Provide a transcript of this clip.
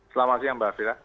selamat siang mbak elvira